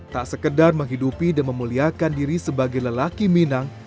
tak sekedar menghidupi dan memuliakan diri sebagai lelaki minang